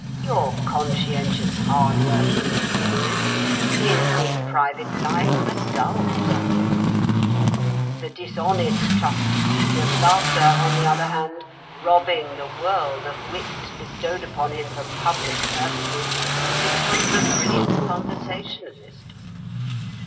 Your conscientious, hard working humorist is in private life a dull dog. The dishonest trustee of laughter, on the other hand, robbing the world of wit bestowed upon him for public purposes, becomes a brilliant conversationalist."